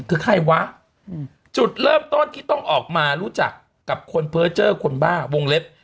คือใครวะจุดเริ่มต้นที่ต้องออกมารู้จักกับคนเพอร์เจอร์คนบ้าวงเล็บ